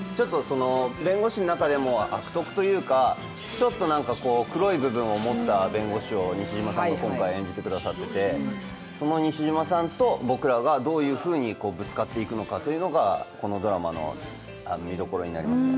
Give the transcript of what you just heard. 弁護士の中でもちょっと悪徳というか、黒い部分を持った弁護士を西島さんが今回演じてくださって、その西島さんと僕らがどういうふうにぶつかっていくのかというのがこのドラマの見どころになりますね。